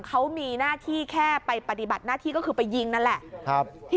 เขามีหน้าที่แค่ไปปฏิบัติหน้าที่ก็คือไปยิงนั่นแหละ